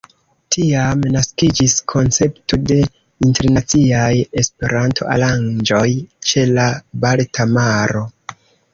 Tiam naskiĝis koncepto de internaciaj E-aranĝoj ĉe la Balta Maro.